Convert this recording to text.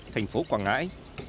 thành phố quảng ngãi